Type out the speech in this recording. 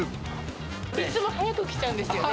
いつも早く来ちゃうんですよね。